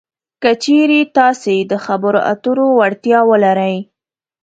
که چېرې تاسې د خبرو اترو وړتیا ولرئ